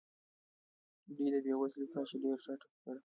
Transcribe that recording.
دوی د بې وزلۍ کچه ډېره ټیټه کړه.